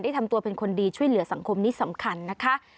ทำตัวเป็นคนดีช่วยเหลือสังคมนี้สำคัญนะคะ